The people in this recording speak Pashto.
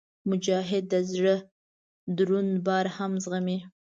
مجاهد د زړه دروند بار هم زغمي.